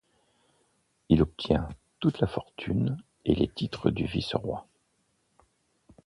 Il obtient toute la fortune et les titres du vice-roi.